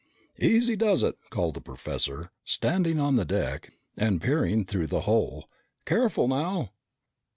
"Easy does it!" called the professor, standing on the deck and peering through the hole. "Careful now!"